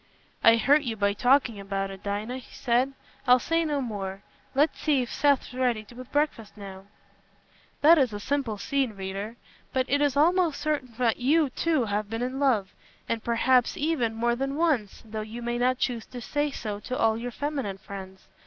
"I hurt you by talking about it, Dinah," he said. "I'll say no more. Let's see if Seth's ready with breakfast now." That is a simple scene, reader. But it is almost certain that you, too, have been in love—perhaps, even, more than once, though you may not choose to say so to all your feminine friends.